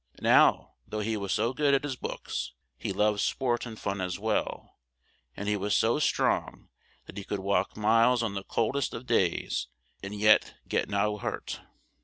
Now, though he was so good at his books, he loved sport and fun as well; and he was so strong, that he could walk miles on the cold est of days, and yet get no hurt.